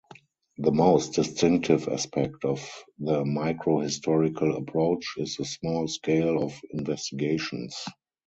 The most distinctive aspect of the microhistorical approach is the small scale of investigations.